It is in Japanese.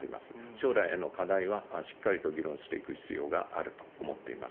将来への課題はしっかりと議論していく必要があると思っています。